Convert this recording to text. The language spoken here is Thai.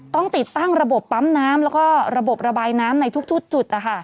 ต้องติดตั้งระบบปั๊มน้ำแล้วก็ระบบระบายน้ำในทุกจุด